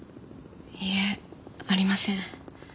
いいえありません。